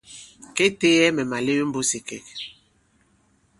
Kê teeyɛ mɛ̀ màlew i mbūs ì ìkɛ̌k.